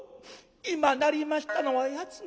今鳴りましたのは八つの鐘。